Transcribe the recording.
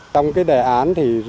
trong cái đề án thì